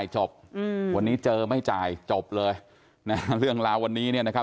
จบอืมวันนี้เจอไม่จ่ายจบเลยนะเรื่องราววันนี้เนี่ยนะครับ